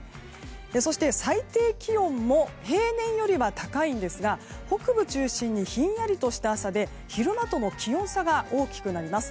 そして、最低気温も平年よりは高いんですが北部中心にひんやりとした朝で昼間との気温差が大きくなります。